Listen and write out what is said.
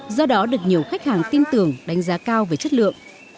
do đó được nhiều khách hàng tin tưởng đánh giá cao về chất lượng